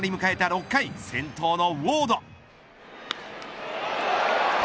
６回先頭のウォード。